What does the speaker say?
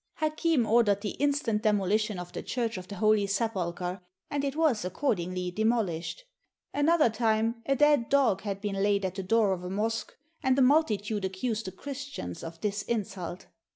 Hakem ordered the instant demolition of the church of the Holy Sepulchre, and it was accord ingly demolished. Another time a dead dog had been laid at the door of a mosque; and the multitude accused the Christians of this insult.